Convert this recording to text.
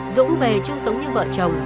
dũng về chung sống như vợ chồng